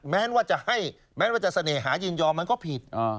แม้ว่าจะให้แม้ว่าจะเสน่หายินยอมมันก็ผิด